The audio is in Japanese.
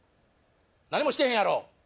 「何もしてへんやろ」